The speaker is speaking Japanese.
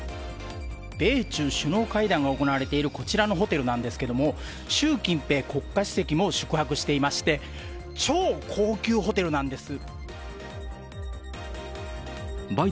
米中首脳会談が行われているこちらのホテルなんですけれども、習近平国家主席も宿泊していまして、超高級ホテルなんです。